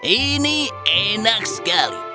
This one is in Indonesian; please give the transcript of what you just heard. ini enak sekali